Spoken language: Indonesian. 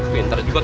pinter juga toh